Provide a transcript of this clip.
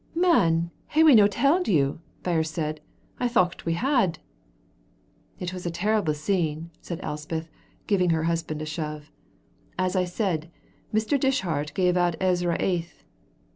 "Man, hae we no telled you?" Birse said. "I thocht we had." "It was a terrible scene," said Elspeth, giving her husband a shove. "As I said, Mr. Dishart gave out Ezra eighth.